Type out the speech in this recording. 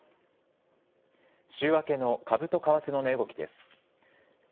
週明けの株と為替の値動きです。